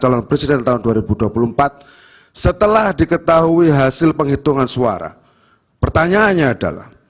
calon presiden tahun dua ribu dua puluh empat setelah diketahui hasil penghitungan suara pertanyaannya adalah